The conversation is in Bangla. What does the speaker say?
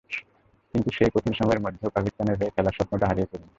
কিন্তু সেই কঠিন সময়ের মধ্যেও পাকিস্তানের হয়ে খেলার স্বপ্নটা হারিয়ে ফেলিনি।